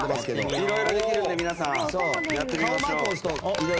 いろいろできるんでやってみましょう。